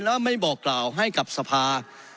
แล้วไม่บอกกล่าวให้กับสภา